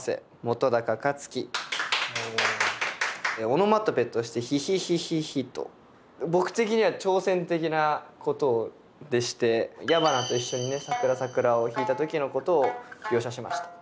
オノマトペとして「ヒヒヒヒヒ」と僕的には挑戦的なことでして矢花と一緒にね「さくらさくら」を弾いた時のことを描写しました。